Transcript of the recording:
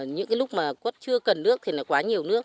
những lúc mà cốt chưa cần nước thì nó quá nhiều nước